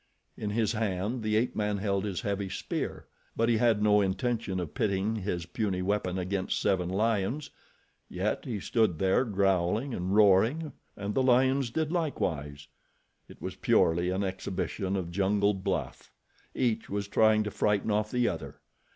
In his hand the ape man held his heavy spear; but he had no intention of pitting his puny weapon against seven lions; yet he stood there growling and roaring and the lions did likewise. It was purely an exhibition of jungle bluff. Each was trying to frighten off the other.